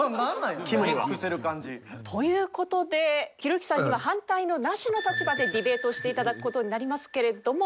きむには。という事でひろゆきさんには反対のナシの立場でディベートをしていただく事になりますけれども。